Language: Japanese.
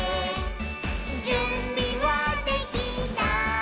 「じゅんびはできた？